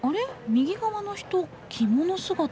右側の人着物姿だ。